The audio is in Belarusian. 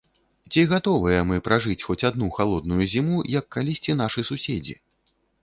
Ці гатовыя мы пражыць хоць адну халодную зіму, як калісьці нашы суседзі?